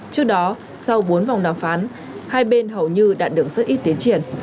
trước đó sau bốn vòng đàm phán hai bên hầu như đạt được rất ít tiến triển